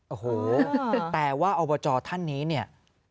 โอ้โหแต่ว่าอบจท่านนี้เนี่ย